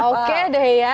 oke deh ya